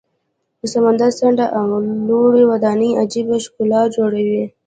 د سمندر څنډه او لوړې ودانۍ عجیبه ښکلا جوړوي.